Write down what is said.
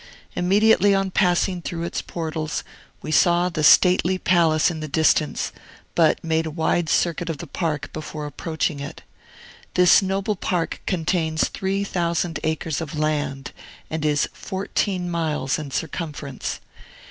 Immediately on passing through its portals we saw the stately palace in the distance, but made a wide circuit of the park before approaching it. This noble park contains three thousand acres of land, and is fourteen miles in circumference.